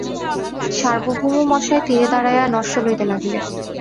সার্বভৌমমহাশয় তীরে দাঁড়াইয়া নস্য লইতে লাগিলেন।